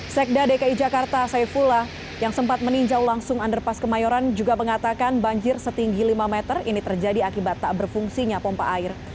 sekda dki jakarta saifullah yang sempat meninjau langsung underpass kemayoran juga mengatakan banjir setinggi lima meter ini terjadi akibat tak berfungsinya pompa air